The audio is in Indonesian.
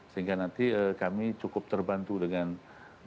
sehingga nanti kami cukup terbantu dengan tambahan tenaga ini